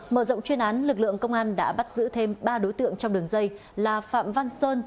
mở rộng chuyên án lực lượng công an đã bắt giữ thêm ba đối tượng trong đường dây là phạm văn sơn